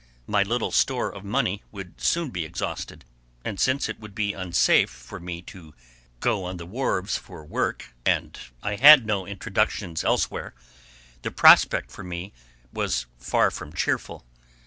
My little store of money would soon be exhausted, and since it would be unsafe for me to go on the wharves for work, and I had no introductions elsewhere, the prospect for me was far from cheerful.